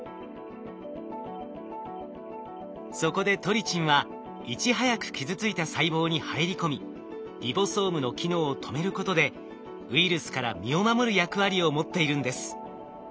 そこでトリチンはいち早く傷ついた細胞に入り込みリボソームの機能を止めることでウイルスから身を守る役割を持っているんです。